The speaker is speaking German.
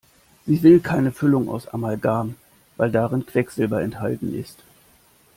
Sie will keine Füllung aus Amalgam, weil darin Quecksilber enthalten ist.